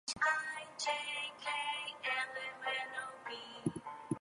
By late December the Swedish army had been worn out by the constant fighting.